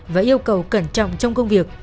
và yêu cầu cẩn trọng trong công việc